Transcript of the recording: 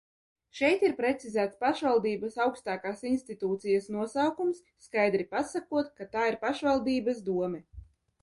Šeit ir precizēts pašvaldības augstākās institūcijas nosaukums, skaidri pasakot, ka tā ir pašvaldības dome.